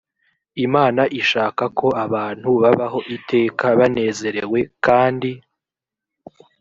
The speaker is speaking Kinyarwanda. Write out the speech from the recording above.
imana ishaka ko abantu babaho iteka banezerewe kandi